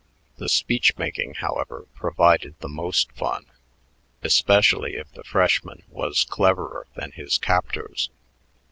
The speech making, however, provided the most fun, especially if the freshman was cleverer than his captors.